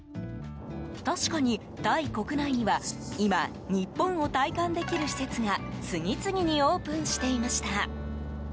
確かに、タイ国内には今、日本を体感できる施設が次々にオープンしていました。